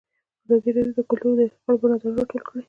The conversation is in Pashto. ازادي راډیو د کلتور د ارتقا لپاره نظرونه راټول کړي.